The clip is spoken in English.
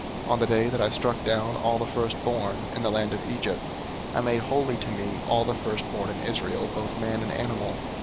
On the day that I struck down all the firstborn in the land of Egypt I made holy to me all the firstborn in Israel, both man and animal.